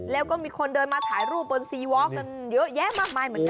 แล้วก็มีคนเดินมาถ่ายรูปบนซีวอลกันเยอะแยะมากมายเหมือนกัน